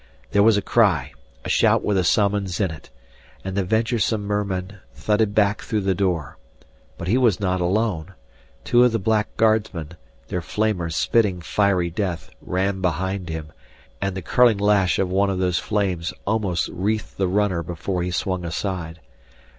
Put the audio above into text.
There was a cry, a shout with a summons in it. And the venturesome merman thudded back through the door. But he was not alone. Two of the black guardsmen, their flamers spitting fiery death, ran behind him, and the curling lash of one of those flames almost wreathed the runner before he swung aside.